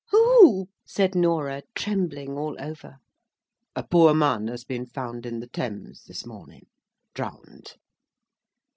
"Who?" said Norah, trembling all over. "A poor man has been found in the Thames this morning, drowned."